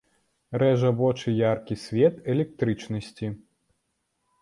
Рэжа вочы яркі свет электрычнасці.